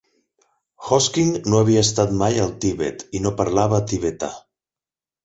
Hoskin no havia estat mai al Tibet i no parlava tibetà.